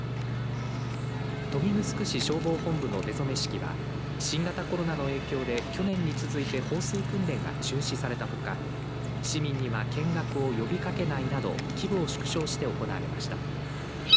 消防本部の出初め式は新型コロナの影響で去年に続いて放水訓練が中止されたほか市民には見学を呼びかけないなど規模を縮小して行われました。